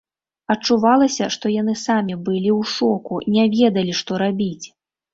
Адчувалася, што яны самі былі ў шоку, не ведалі, што рабіць.